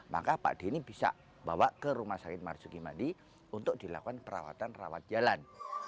maka pak denny bisa bawa ke rumah sakit marjuki mandi untuk dilakukan perawatan rawat jalan